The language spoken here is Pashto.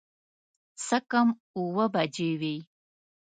څه کم اووه بجې وې.